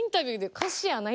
歌詞やない！